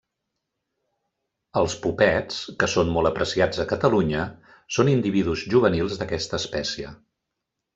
Els popets, que són molt apreciats a Catalunya, són individus juvenils d'aquesta espècie.